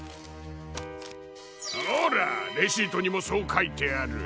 ほらレシートにもそうかいてある。